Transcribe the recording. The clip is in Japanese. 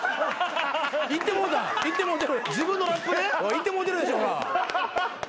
いってもうてるでしょ。